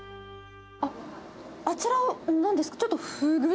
あっ、あちらはなんですか？